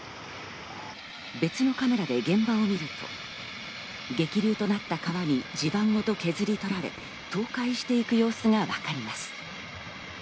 別のカメラで現場を見ると、激流となった川に地盤ごと削り取られ、倒壊していく様子がわかります。